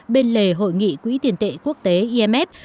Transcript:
bên lề hội nghị quỹ tiền tệ quốc tế imf